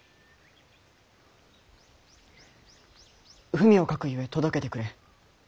文を書くゆえ届けてくれ。